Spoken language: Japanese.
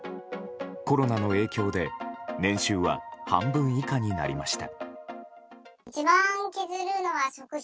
コロナの影響で年収は半分以下になりました。